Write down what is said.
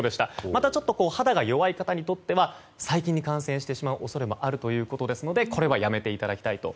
また、肌が弱い方には細菌に感染してしまう恐れがあるということですのでこれはやめていただきたいと。